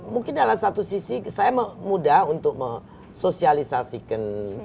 mungkin dalam satu sisi saya mudah untuk mensosialisasikan